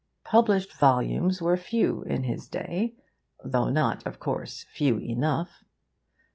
Published volumes were few in his day (though not, of course, few enough).